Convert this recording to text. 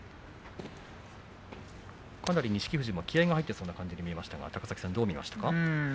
かなり錦富士も気合いが入ってるように見えましたが高崎さん、どう見ましたか。